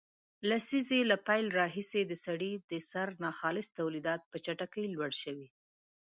لسیزې له پیل راهیسې د سړي د سر ناخالص تولیدات په چټکۍ لوړ شوي